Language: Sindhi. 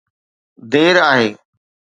دير آهي.